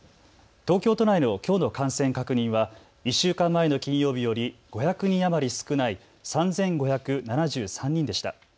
東京都内のきょうの感染確認は１週間前の金曜日より５００人余り少ない３５７３人でした。